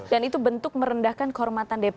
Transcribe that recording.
dan itu bentuk merendahkan kormatan